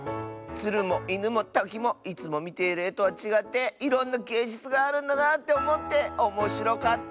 つるもいぬもたきもいつもみているえとはちがっていろんなげいじゅつがあるんだなっておもっておもしろかった！